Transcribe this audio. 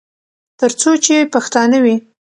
تر څو چې پښتانه وي.